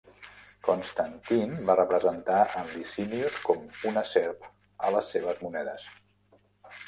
Constantine va representar en Licinius com una serp a les seves monedes.